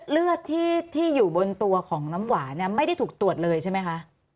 เลือดที่อยู่บนตัวของน้ำหวานเนี่ยไม่ได้ถูกตรวจเลยใช่ไหมคะ